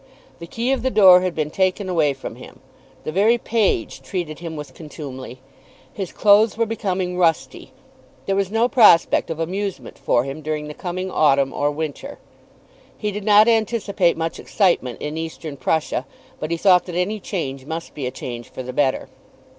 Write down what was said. The key of the door had been taken away from him. The very page treated him with contumely. His clothes were becoming rusty. There was no prospect of amusement for him during the coming autumn or winter. He did not anticipate much excitement in Eastern Prussia, but he thought that any change must be a change for the better.